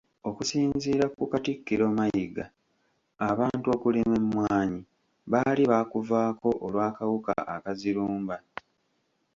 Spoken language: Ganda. Okusinziira ku Katikkiro Mayiga, abantu okulima emmwanyi baali baakuvaako olw’akawuka akazirumba.